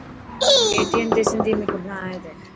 KTN تي سنڌي ۾ کبران ائي تي.